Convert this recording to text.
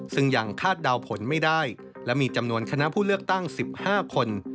ซึ่งยังคาดเดาผลไม่ได้และมีจำนวนคณะผู้เลือกตั้ง๑๕คน